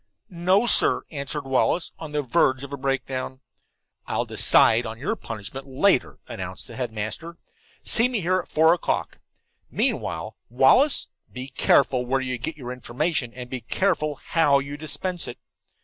"No, sir," answered Wallace, on the verge of a breakdown. "I'll decide upon your punishment later," announced the headmaster. "See me here at four o'clock. Meanwhile, Wallace, be careful where you get information, and be careful how you dispense it."